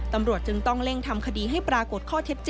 ตำรวจจึงต้องเร่งทำคดีให้ปรากฏ